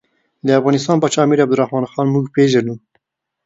د افغانستان پاچا امیر عبدالرحمن موږ پېژنو.